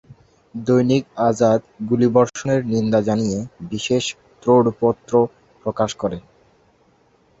দৈনিক আজাদ গুলিবর্ষণের নিন্দা জানিয়ে বিশেষ ক্রোড়পত্র প্রকাশ করে।